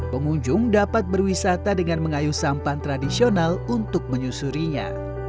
pengunjung dapat berwisata dengan mengayu sampan tradisional untuk menyusurinya